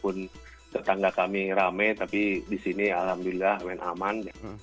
suasana meskipun tetangga kami rame tapi di sini alhamdulillah aman